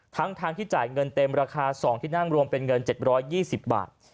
ทั้งที่จ่ายเงินเต็มราคา๒ที่นั่งรวมเป็นเงิน๗๒๐บาท